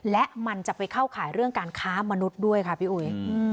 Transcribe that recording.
และมันจะไปเข้าข่ายเรื่องการค้ามนุษย์ด้วยค่ะพี่อุ๋ย